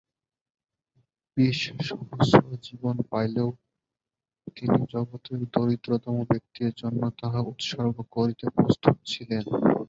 বিশ সহস্র জীবন পাইলেও তিনি জগতের দরিদ্রতম ব্যক্তির জন্য তাহা উৎসর্গ করিতে প্রস্তুত ছিলেন।